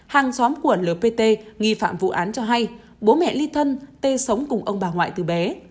hàng xóm của lpt nghi phạm vụ án cho hay bố mẹ ly thân tê sống cùng ông bà ngoại từ bé